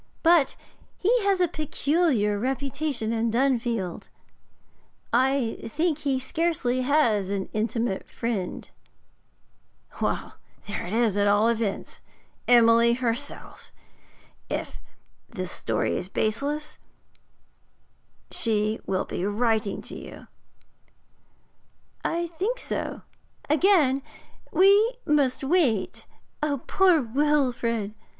But he has a peculiar reputation in Dunfield; I think he scarcely has an intimate friend.' 'Well, there is, at all events, Emily herself. If this story is baseless, she will be writing to you.' 'I think so. Again we must wait. Poor Wilfrid!